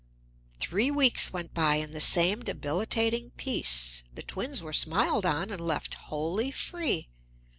Three weeks went by in the same debilitating peace. The twins were smiled on and left wholly free.